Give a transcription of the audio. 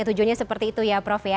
tujuannya seperti itu ya prof ya